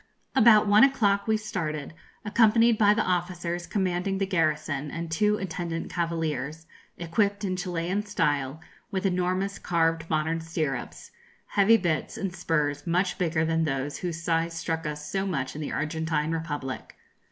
About one o'clock we started, accompanied by the officers commanding the garrison and two attendant cavaliers, equipped in Chilian style, with enormous carved modern stirrups, heavy bits and spurs much bigger than those whose size struck us so much in the Argentine Republic.